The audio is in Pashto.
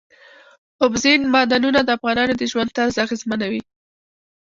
اوبزین معدنونه د افغانانو د ژوند طرز اغېزمنوي.